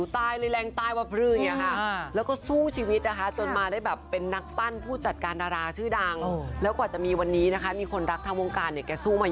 ดั่งเศษดาวรอยในฟ้าความตรงนี้เส้นทางจะเป็นอย่างไร